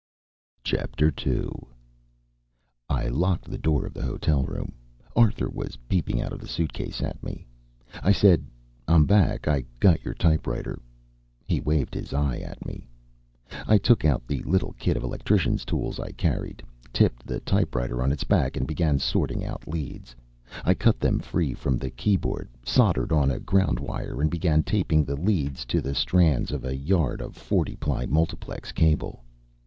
II I locked the door of the hotel room. Arthur was peeping out of the suitcase at me. I said: "I'm back. I got your typewriter." He waved his eye at me. I took out the little kit of electricians' tools I carried, tipped the typewriter on its back and began sorting out leads. I cut them free from the keyboard, soldered on a ground wire, and began taping the leads to the strands of a yard of forty ply multiplex cable.